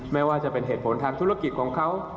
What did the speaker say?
ไม่ว่าจะเป็นเหตุผลทางธุรกิจของเขา